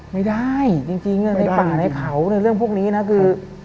ไม่ได้จริงเรื่องให้ปากให้เขาเรื่องพวกนี้นะคือ